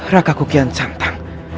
rakaku kian santang